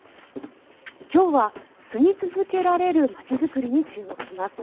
今日は「住み続けられるまちづくり」に注目します。